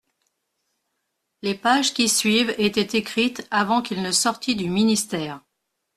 Les pages qui suivent étaient écrites avant qu'il ne sortît du ministère.